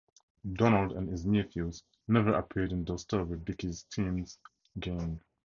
Donald and his nephews never appeared in those stories with Dickie's teen gang.